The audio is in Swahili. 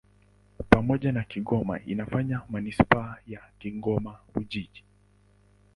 Pamoja na Kigoma inafanya manisipaa ya Kigoma-Ujiji.